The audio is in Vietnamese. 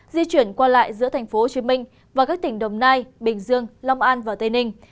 di chuyển qua lại giữa tp hcm và các tỉnh đồng nai bình dương long an và tây ninh